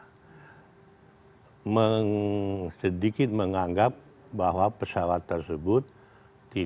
setup mengungkap aby minit melayan as coron canada mymoment any content for k conjug tom